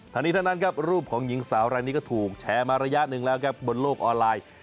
ทั้งนี้ทั้งนั้นครับรูปของหญิงสาวรายนี้ก็ถูกแชร์มาระยะหนึ่งแล้วครับบนโลกออนไลน์